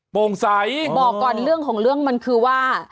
โปร่งใสบอกก่อนเรื่องของเรื่องมันคือว่า